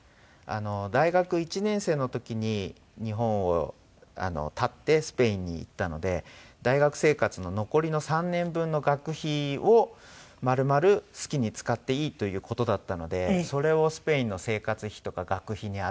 大学１年生の時に日本を発ってスペインに行ったので大学生活の残りの３年分の学費を丸々好きに使っていいという事だったのでそれをスペインの生活費とか学費に充ててたんですね。